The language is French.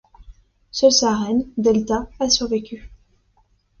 Seule sa reine, Delta, a survécu.